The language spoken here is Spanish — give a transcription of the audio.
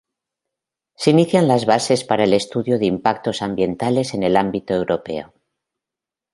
Se inician las bases para el estudio de impactos ambientales en el ámbito europeo.